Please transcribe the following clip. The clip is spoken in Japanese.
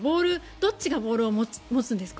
どっちがボールを持つんですか？